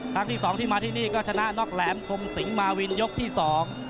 ครั้งที่สองที่มาที่นี่ก็ชนะน็อกแหลมคมสิงหมาวินยกที่สอง